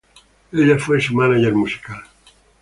Ella fue su mánager musical.